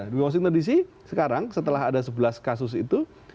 di washington dc sekarang setelah ada sebelas kasus itu